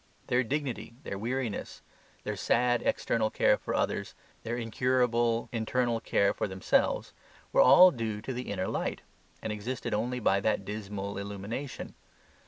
Their dignity, their weariness, their sad external care for others, their incurable internal care for themselves, were all due to the Inner Light, and existed only by that dismal illumination.